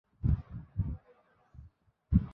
তিনি তার নামের পরিবর্তে ভারতীয় নাম ব্যবহার শুরু করেন।